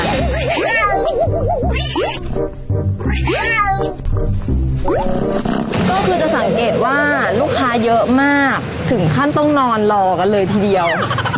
ก็คือจะสังเกตว่าลูกค้าเยอะมากถึงขั้นต้องนอนรอกันเลยทีเดียว